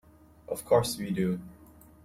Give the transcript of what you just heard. Of course we do.